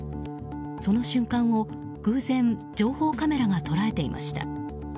その瞬間を偶然情報カメラが捉えていました。